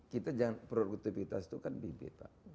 kita produktivitas itu kan bibir pak